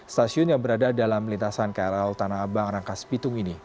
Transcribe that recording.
stasiun yang berada dalam lintasan krl tanah abang rangkas pitung ini